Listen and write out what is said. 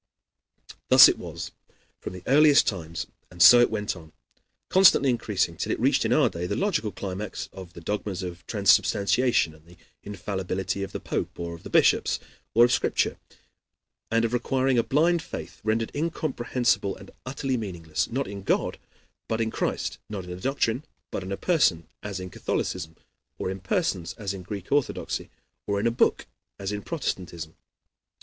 Thus it was from the earliest times, and so it went on, constantly increasing, till it reached in our day the logical climax of the dogmas of transubstantiation and the infallibility of the Pope, or of the bishops, or of Scripture, and of requiring a blind faith rendered incomprehensible and utterly meaningless, not in God, but in Christ, not in a doctrine, but in a person, as in Catholicism, or in persons, as in Greek Orthodoxy, or in a book, as in Protestantism.